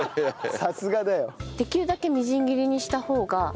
さすがだよ。えっ？